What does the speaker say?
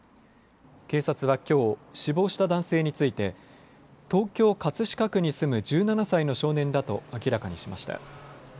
警察はきょう死亡した男性について東京葛飾区に住む１７歳の少年だと明らかにしました。